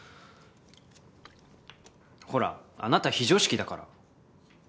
ほらあなた非常識だから。